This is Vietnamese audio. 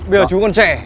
bây giờ chú còn trẻ